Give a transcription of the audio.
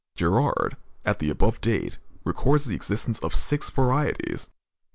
Gerard, at the above date, records the existence of six varieties.